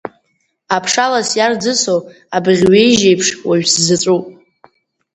Аԥшалас иарӡысо абыӷьҩеижьеиԥш уажә сзаҵәуп…